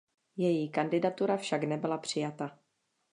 Její kandidatura však nebyla přijata.